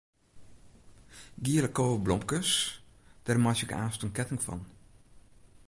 Giele koweblomkes, dêr meitsje ik aanst in ketting fan.